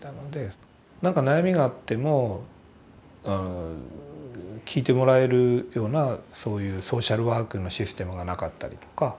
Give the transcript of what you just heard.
なんか悩みがあっても聞いてもらえるようなそういうソーシャルワークのシステムがなかったりとか。